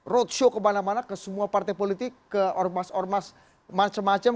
roadshow kemana mana ke semua partai politik ke ormas ormas macam macam